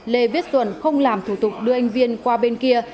lê viết xuân không làm thủ tục đưa anh viên qua bên kia